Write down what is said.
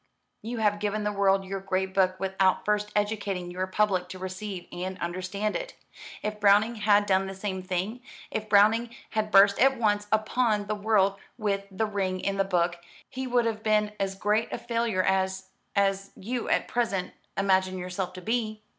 "You have given the world your great book without first educating your public to receive and understand it. If Browning had done the same thing if Browning had burst at once upon the world with 'The Ring and the Book' he would have been as great a failure as as you at present imagine yourself to be.